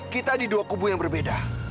kita di dua kubu yang berbeda